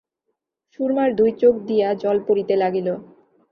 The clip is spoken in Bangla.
সুরমার দুই চোখ দিয়া জল পড়িতে লাগিল।